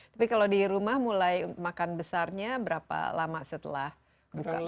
tapi kalau di rumah mulai makan besarnya berapa lama setelah buka puasa